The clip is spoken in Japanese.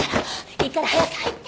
いいから早く入って！